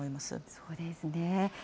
そうですね。